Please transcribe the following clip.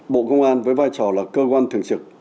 bộ công an với vai trò là cơ quan thường trực